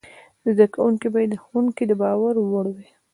زده کوونکي باید د ښوونکي د باور وړ وای.